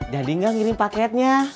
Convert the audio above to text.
dadi gak ngirim paketnya